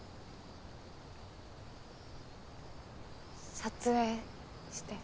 撮影して。